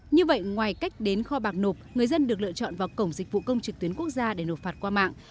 như vậy ngoài cách đến kho bạc nộp người dân được lựa chọn vào cổng dịch vụ công trực tuyến quốc gia để nộp phạt qua mạng